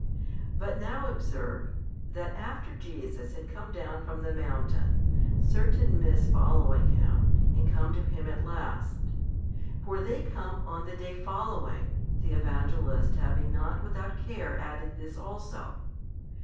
But now observe, that after Jesus had come down from the mountain, certain miss following Him, and come to Him at last. For they come on the day following, the Evangelist having not without care added this also.